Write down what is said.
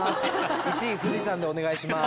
１位富士山でお願いします。